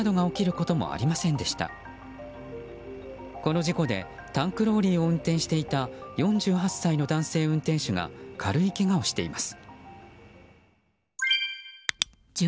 この事故でタンクローリーを運転していた４８歳の男性運転手が軽いけがをしています。